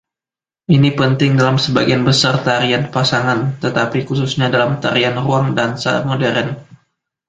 Ini penting dalam sebagian besar tarian pasangan, tetapi khususnya dalam tarian ruang dansa modern.